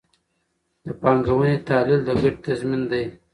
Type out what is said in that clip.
د پانګونې تحلیل د ګټې تضمین دی.